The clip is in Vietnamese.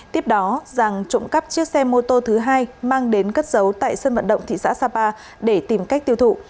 tiếp đó giàng trộm cắp chiếc xe mô tô thứ hai mang đến cất giấu tại sân vận động thị xã sapa để tìm cách tiêu thụ